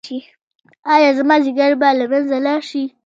ایا زما ځیګر به له منځه لاړ شي؟